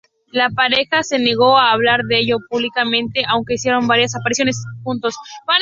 La pareja se negó a hablar de ello públicamente, aunque hicieron varias apariciones juntos.